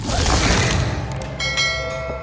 kayaknya kebetulan aku mau ke peti berpasak